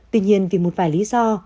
tuy nhiên vì một vài lý do